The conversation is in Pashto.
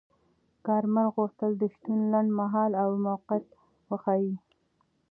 کارمل غوښتل د شتون لنډمهاله او موقت وښيي.